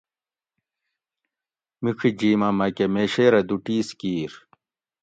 مِڄی جھیمہ مکہ میشیرہ دو ٹِیس کیر